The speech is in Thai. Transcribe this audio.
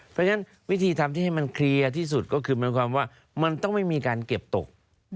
เพราะฉะนั้นวิธีทำที่ให้มันเคลียร์ที่สุดก็คือหมายความว่ามันต้องไม่มีการเก็บตก